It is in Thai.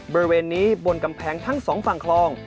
บริเวณนี้บนกำแพงทั้งสองฝั่งคลอง